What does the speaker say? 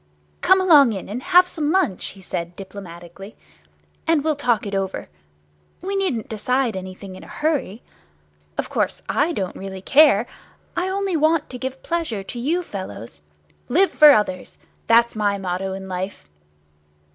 "Come along in, and have some lunch," he said, diplomatically, "and we'll talk it over. We needn't decide anything in a hurry. Of course, I don't really care. I only want to give pleasure to you fellows. 'Live for others!' That's my motto in life."